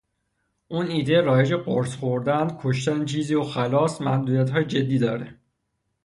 اون ایده رایج قرص خوردن، کشتن چیزی و خلاص، محدودیتهای جدی داره